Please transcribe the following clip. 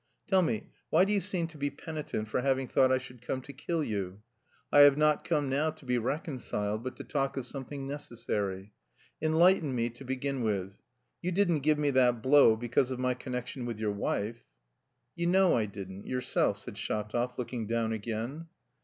Tell me, why do you seem to be penitent for having thought I should come to kill you? I have not come now to be reconciled, but to talk of something necessary. Enlighten me to begin with. You didn't give me that blow because of my connection with your wife?" "You know I didn't, yourself," said Shatov, looking down again.